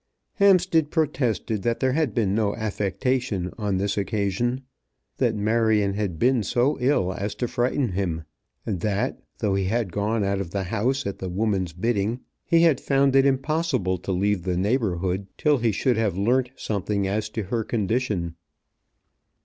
Hampstead protested that there had been no affectation on this occasion; that Marion had been so ill as to frighten him, and that, though he had gone out of the house at the woman's bidding, he had found it impossible to leave the neighbourhood till he should have learnt something as to her condition.